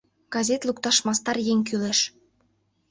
Газет лукташ мастар еҥ кӱлеш.